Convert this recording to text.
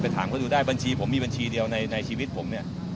ถามเขาดูได้บัญชีผมมีบัญชีเดียวในชีวิตผมเนี่ย